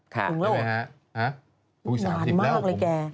ค่ะหรือเปล่าฮะฮึ่ย๓๐แล้วหวานมากเลยแก